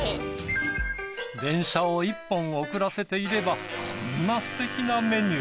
電車を１本遅らせていればこんなすてきなメニューが。